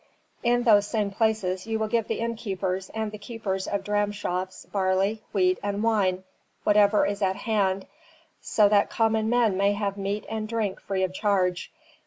In those same places you will give the innkeepers and the keepers of dramshops barley, wheat, and wine, whatever is at hand, so that common men may have meat and drink free of charge.